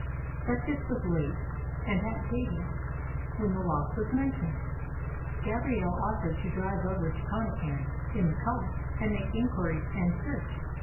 Breakfast was late, and at table, when the loss was mentioned, Gabrielle offered to drive over to Connachan in the car and make inquiry and search.